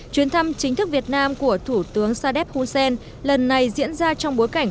chuyến thăm chính thức việt nam của thủ tướng sadeb hussein lần này diễn ra trong bối cảnh